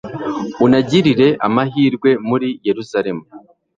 unagirire amahirwe muri yeruzalemu